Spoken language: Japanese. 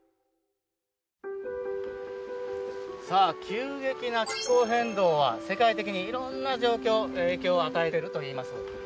急激な気候変動は世界的に色んな状況、影響を与えてるといいます。